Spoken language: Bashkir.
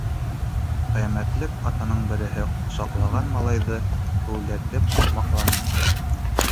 Ҡиәмәтлек атаның береһе ҡосаҡлаған малайҙы бәүелдереп һамаҡланы: